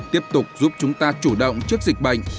tiếp tục giúp chúng ta chủ động trước dịch bệnh